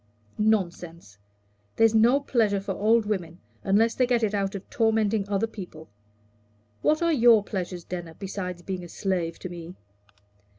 "Nonsense! there's no pleasure for old women, unless they get it out of tormenting other people. What are your pleasures, Denner besides being a slave to me?"